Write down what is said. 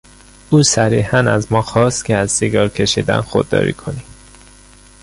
او صریحا از ما خواست که از سیگار کشیدن خودداری کنیم.